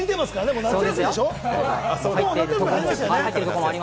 もう夏休み入りましたよね。